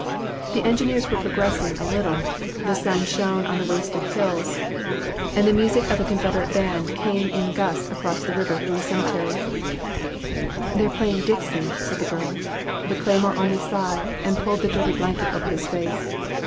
The engineers were progressing a little, the sun shone on the wasted hills, and the music of a In the Name of the Most Htgh. 223 Confederate band came in gusts across the river from the cemetery. They are playing * Dixie,' " said the girl ; but Cleymore only sighed and pulled the dirty blanket over his face.